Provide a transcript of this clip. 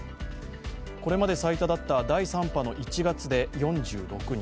これまで最多だった第３波の１月で４６人。